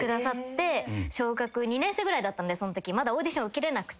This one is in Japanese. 小学２年生ぐらいだったんでまだオーディション受けれなくて。